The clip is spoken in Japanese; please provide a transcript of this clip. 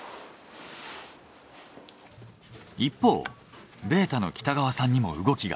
一方ベータの北川さんにも動きが。